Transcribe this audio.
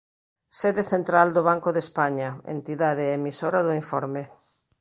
Sede central do Banco de España, entidade emisora do informe